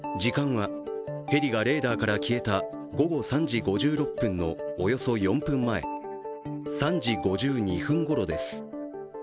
時間は、ヘリがレーダーから消えた午後３時５６分のおよそ４分前、３時５２分ごろです。